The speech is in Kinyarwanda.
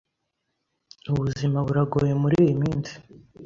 Ubuzima buragoye muriyi minsi.